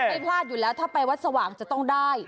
ไม่พลาดอยู่แล้วถ้าไปวัดสว่างจะต้องได้